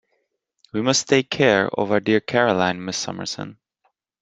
We must take care of our dear Caroline, Miss Summerson.